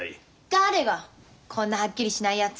誰がこんなはっきりしないやつ。